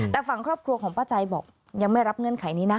แต่ฝั่งครอบครัวของป้าใจบอกยังไม่รับเงื่อนไขนี้นะ